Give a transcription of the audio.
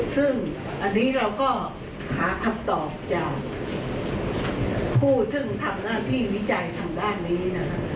ซึ่งอันนี้เราก็หาคำตอบจากผู้ซึ่งทำหน้าที่วิจัยทางด้านนี้นะครับ